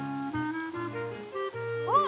おっ！